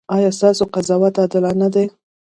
ایا ستاسو قضاوت عادلانه دی؟